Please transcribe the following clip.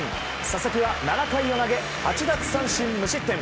佐々木は７回を投げ８奪三振無失点。